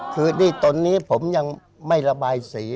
คือที่ตอนนี้ผมยังไม่ระบายสี